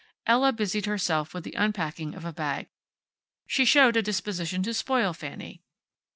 Ella busied herself with the unpacking of a bag. She showed a disposition to spoil Fanny.